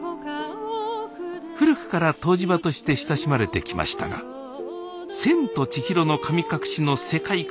古くから湯治場として親しまれてきましたが「千と千尋の神隠し」の世界観